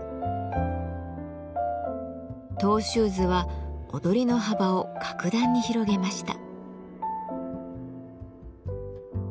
トウシューズは踊りの幅を格段に広げました。